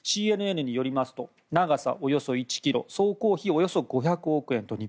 ＣＮＮによりますと長さおよそ１ｋｍ総工費、日本円でおよそ５００億円。